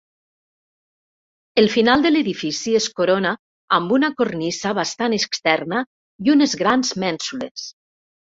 El final de l'edifici es corona amb una cornisa bastant externa i unes grans mènsules.